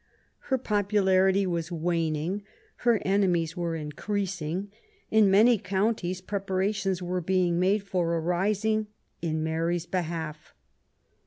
Her popularity was waning, her enemies were increas ing ; in many counties preparations were being made for a rising in Mary's behalf.